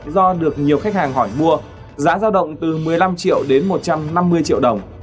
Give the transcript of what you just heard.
do được nhiều khách hàng hỏi mua giá giao động từ một mươi năm triệu đến một trăm năm mươi triệu đồng